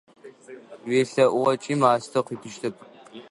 УелъэӀугъэкӀи мастэ къыуитыщтэп.